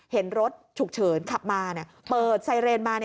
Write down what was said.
เห็นรถฉุกเฉินขับมาเปิดไซเรนมา